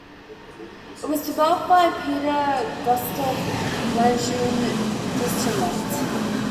It was developed by Peter Gustav Lejeune Dirichlet.